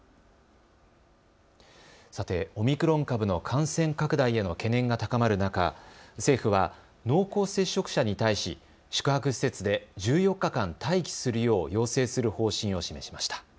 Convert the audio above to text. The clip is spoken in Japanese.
さてオミクロン株の感染拡大への懸念が高まる中、政府は濃厚接触者に対し宿泊施設で１４日間待機するよう要請する方針を示しました。